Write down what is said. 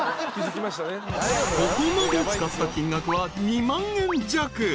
［ここまで使った金額は２万円弱］